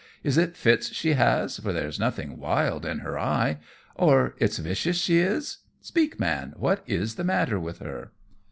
Is it fits she has, for there is something wild in her eye? Or it's vicious she is? Speak, Man, what is the matter with her?"